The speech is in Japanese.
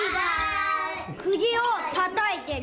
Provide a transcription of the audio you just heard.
くぎをたたいてる。